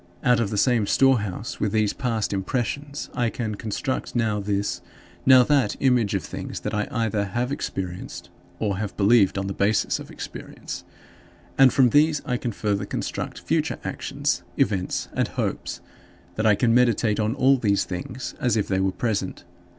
Out of the same storehouse, with these past impressions, I can construct now this, now that, image of things that I either have experienced or have believed on the basis of experience and from these I can further construct future actions, events, and hopes; and I can meditate on all these things as if they were present.